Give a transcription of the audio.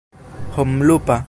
homlupa